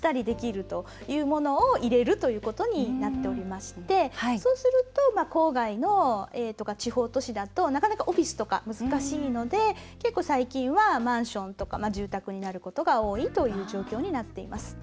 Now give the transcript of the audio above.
貸したりできるというものを入れるということになっておりましてそうすると郊外の地方都市だとなかなかオフィスとか難しいので結構、最近はマンションとか住宅になることが多いという状況になっています。